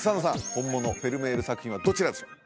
本物フェルメール作品はどちらでしょう？